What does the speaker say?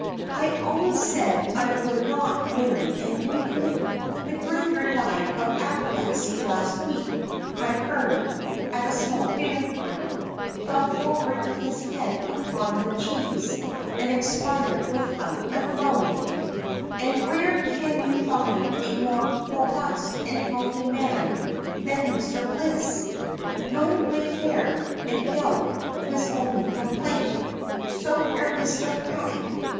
I always said I would not marry an invalid, (Macgregor died of apoplexy last week, I heard, at a small dinner party; fell forward with his head upon the cheese, and expired without a groan,) and where can you find a more robust and healthy man than Mr. Bliss? Not a gray hair, and gout his only complaint. So aristocratic.